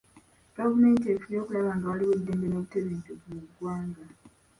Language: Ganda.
Gavumenti efubye okulaba nga waliwo eddembe n'obutebenkevu mu ggwanga.